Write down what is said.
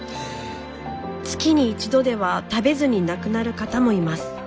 月に１度では食べずに亡くなる方もいます。